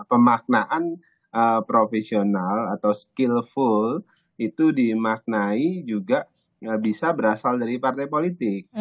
pemaknaan profesional atau skillful itu dimaknai juga bisa berasal dari partai politik